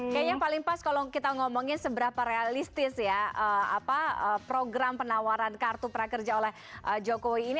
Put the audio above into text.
kayaknya yang paling pas kalau kita ngomongin seberapa realistis ya program penawaran kartu prakerja oleh jokowi ini